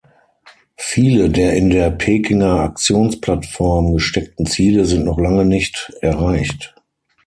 Viele der in der Pekinger Aktionsplattform gesteckten Ziele sind noch lange nicht erreicht.